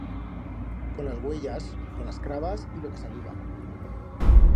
Con las uellas, con las crabas y lo que saliba.